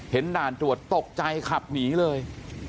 เห็นด่านตรวจโต๊ะใจขับหนีเลย